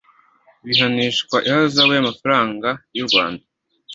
bihanishwa ihazabu y amafaranga y u rwanda